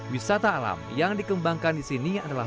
wisata alam yang dikembangkan di sini adalah